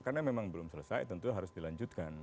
karena memang belum selesai tentu harus dilanjutkan